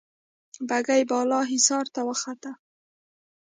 بګۍ بالا حصار ته وخته.